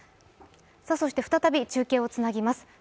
再び中継をつなぎます。